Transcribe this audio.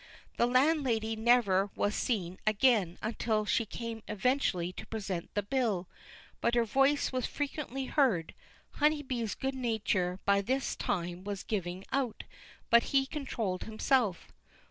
The landlady never was seen again until she came eventually to present the bill; but her voice was frequently heard. Honeybee's good nature by this time was giving out; but he controlled himself.